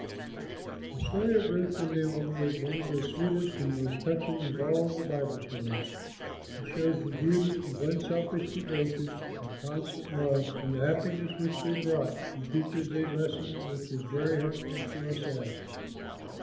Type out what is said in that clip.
The story of Ruth and Naomi is one of the sweetest and most touching of all the Bible stories. It shows the beauty of unselfish devotion and constant love, and the happiness which they brought, and teaches a lesson which is very helpful to us all.